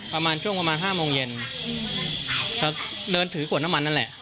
ประมาณช่วงประมาณห้าโมงเย็นก็เดินถือขวดน้ำมันนั่นแหละ